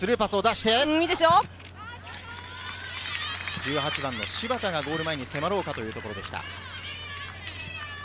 １８番・柴田がゴール前に迫ろうというところでした。